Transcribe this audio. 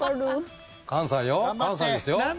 関西よ関西ですよ。